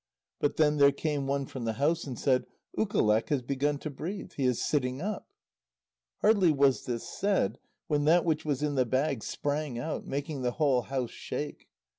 But then there came one from the house and said: "Ukaleq has begun to breathe; he is sitting up." Hardly was this said when that which was in the bag sprang out, making the whole house shake.